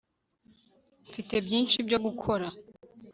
mfite byinshi byo gukora